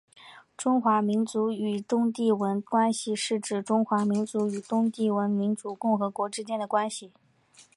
中华民国与东帝汶关系是指中华民国与东帝汶民主共和国之间的关系。